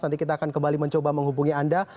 nanti kita akan kembali mencoba menghubungi anda